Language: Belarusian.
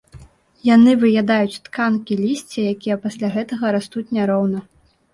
Яны выядаюць тканкі лісця, якія пасля гэтага растуць няроўна.